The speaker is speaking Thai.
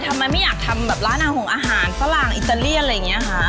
ทำไมไม่อยากทำร้านที่อยากฐีอาหารสะลางอิตาเลียแล้วอ่ะ